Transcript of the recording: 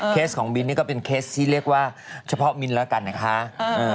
ของมิ้นนี่ก็เป็นเคสที่เรียกว่าเฉพาะมินแล้วกันนะคะ